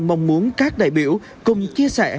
mong muốn các đại biểu cùng chia sẻ